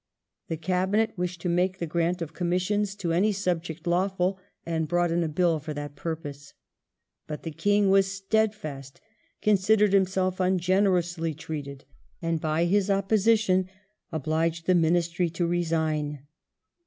The Cabinet wished to make the grant of commissions to any subject lawful, and brought in a Bill for that purpose. But the King was steadfast^ considered himself ungenerously treated, and by his opposition obliged the Ministry to resign.